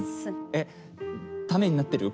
えっためになってる？